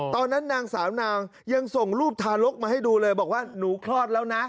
ตอนนั้นนางสาวนางยังส่งรูปทารกมาให้ดูเลยบอกว่าหนูคลอดแล้วนะ